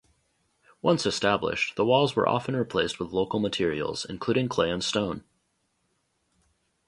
Once established, the walls were often replaced with local materials, including clay and stone.